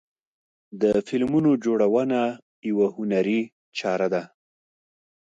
د فلمونو جوړونه یوه هنري چاره ده.